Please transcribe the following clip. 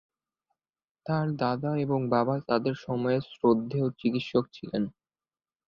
তার দাদা এবং বাবা তাদের সময়ের শ্রদ্ধেয় চিকিৎসক ছিলেন।